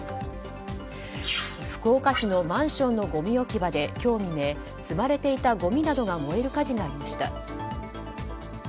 福岡市のマンションのごみ置き場で今日未明、積まれていたごみなどが燃える火事がありました。